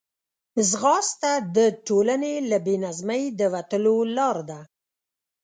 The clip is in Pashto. ځغاسته د ټولنې له بې نظمۍ د وتلو لار ده